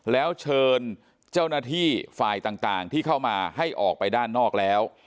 แล้วเชิญเจ้าหน้าที่ฝ่ายต่างที่เข้ามาให้ออกไปด้านนอกแล้ว